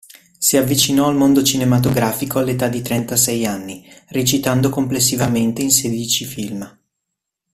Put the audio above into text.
Si avvicinò al mondo cinematografico all'età di trentasei anni, recitando complessivamente in sedici film.